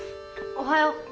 おはよう。